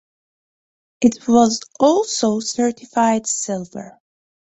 It was also certified Silver.